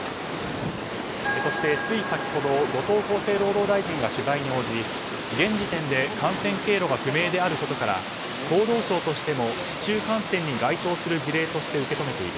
そして、つい先ほど後藤厚生労働大臣が取材に応じ、現時点で感染経路が不明であることから厚労省としても市中感染に該当する事例として受け止めている。